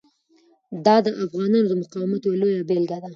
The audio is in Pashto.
دا د افغانانو د مقاومت یوه لویه بیلګه ده.